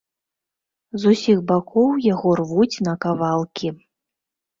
З усіх бакоў яго рвуць на кавалкі.